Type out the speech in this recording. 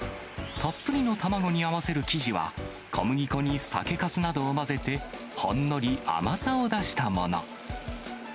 たっぷりの卵に合わせる生地は、小麦粉に酒かすなどを混ぜて、ほんのり甘さを出したもの。